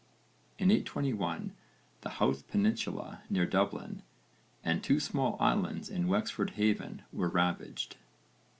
In 821 the Howth peninsula near Dublin and two small islands in Wexford Haven were ravaged.